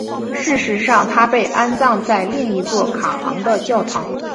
事实上她被安葬在另一座卡昂的教堂。